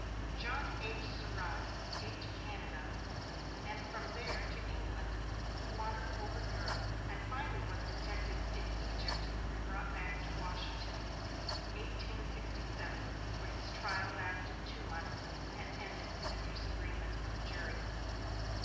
John H. Surratt escaped to Canada, and from there to England. He wandered over Europe, and finally was detected in Egypt and brought back to Washington in 1867, where his trial lasted two months, and ended in a disagreement of the jury.